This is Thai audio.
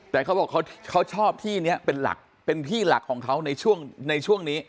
แต่เขาบอกเขาชอบที่นี้เป็นหลักเป็นที่หลักของเขาในช่วงในช่วงนี้